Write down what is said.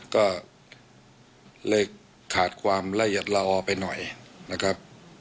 ก็เลยขาดความละเอียดละออไปหน่อยนะครับ